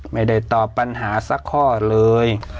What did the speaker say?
ไม่ได้ตอบปัญหาสักข้อเลย